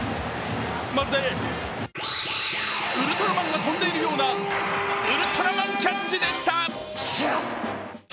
まるでウルトラマンが飛んでいるようなウルトラマンキャッチでした。